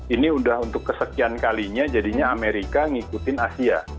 ini udah untuk kesekian kalinya jadinya amerika ngikutin asia